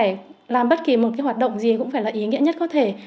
phải làm bất kỳ một cái hoạt động gì cũng phải là ý nghĩa nhất có thể